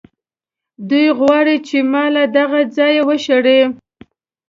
دوی غواړي چې ما له دغه ځایه وشړي.